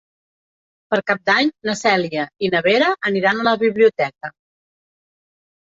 Per Cap d'Any na Cèlia i na Vera aniran a la biblioteca.